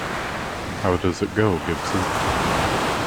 How does it go, Gibson?